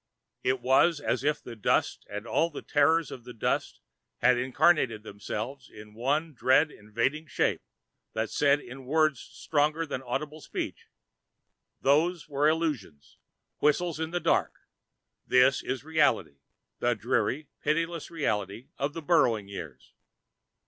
It was as if the dust and all the terrors of the dust had incarnated themselves in one dread invading shape that said in words stronger than audible speech, "Those were illusions, whistles in the dark. This is reality, the dreary, pitiless reality of the Burrowing Years."